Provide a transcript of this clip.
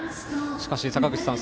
しかし、坂口さん